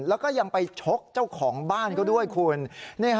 แล้วก็ยังไปชกเจ้าของบ้านเขาด้วยคุณ